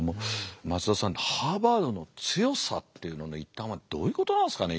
松田さんハーバードの強さっていうのの一端はどういうことなんですかね